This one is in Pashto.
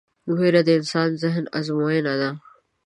وېره د انسان د ذهن ازموینه ده.